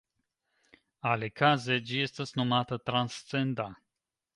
Alikaze, ĝi estas nomata "transcenda".